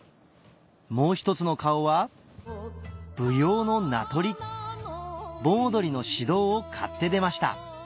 もうひとつの顔は舞踊の名取盆踊りの指導を買って出ました